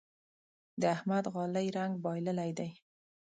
د احمد غالۍ رنګ بايللی دی.